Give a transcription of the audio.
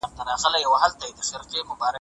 راځئ چي د پوهې په رڼا کي خپل ژوند جوړ کړو.